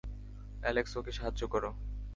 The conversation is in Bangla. অ্যালেক্স ওকে সাহায্য করো।